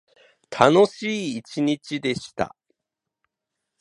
楽しい一日でした。